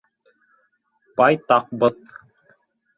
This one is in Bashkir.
— Байтаҡбыҙ.